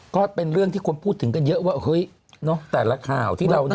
ก็เป็นเรื่องที่คนพูดถึงกันเยอะว่าเฮ้ยเนอะแต่ละข่าวที่เราได้